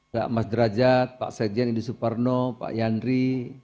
pak mas derajat pak sekjen indi suparno pak yandri